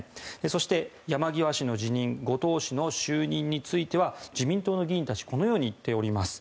そして山際氏の辞任後藤氏の就任については自民党の議員たちはこのように言っております。